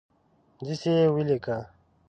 دسي یې ولیکه